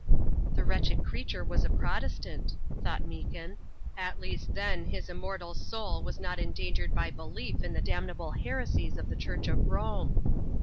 "The wretched creature was a Protestant," thought Meekin. "At least then his immortal soul was not endangered by belief in the damnable heresies of the Church of Rome."